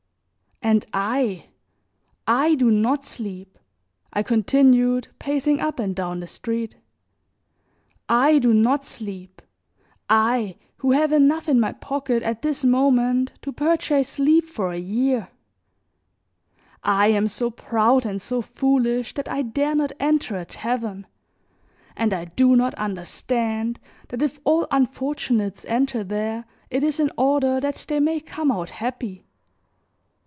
"And I, I do not sleep," I continued pacing up and down the street, "I do not sleep, I who have enough in my pocket at this moment to purchase sleep for a year; I am so proud and so foolish that I dare not enter a tavern, and I do not understand that if all unfortunates enter there, it is in order that they may come out happy.